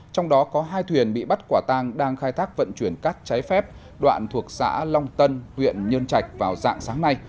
trong đó có hai thuyền bị bắt quả tang đang khai thác vận chuyển cát trái phép đoạn thuộc xã long tân huyện nhơn trạch vào dạng sáng nay